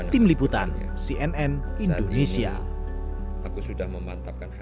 tim liputan cnn indonesia